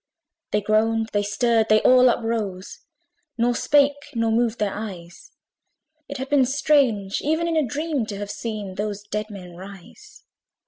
They groaned, they stirred, they all uprose, Nor spake, nor moved their eyes; It had been strange, even in a dream, To have seen those dead men rise.